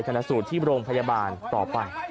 ณสูตรที่โรงพยาบาลต่อไป